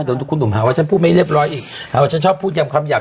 เดี๋ยวคุณหนุ่มหาว่าฉันพูดไม่เรียบร้อยอีกหาว่าฉันชอบพูดยำคำหยาบ